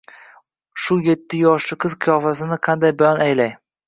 Shu yetti yoshli qiz qiyofasini qanday bayon aylay?!